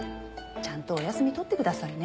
ちゃんとお休み取ってくださいね。